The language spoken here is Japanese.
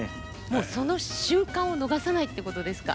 その瞬間を逃さないってことですか。